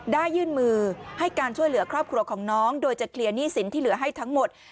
ยื่นมือให้การช่วยเหลือครอบครัวของน้องโดยจะเคลียร์หนี้สินที่เหลือให้ทั้งหมด